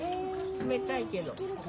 冷たいけど。